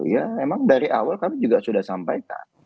ya memang dari awal kami juga sudah sampaikan